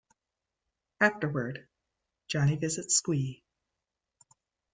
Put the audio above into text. Afterward, Johnny visits Squee.